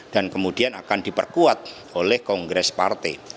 dan kemudian akan diperkuat oleh kongres partai